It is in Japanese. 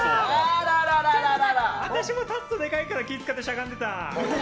私、立つとデカいから気を使ってしゃがんでた。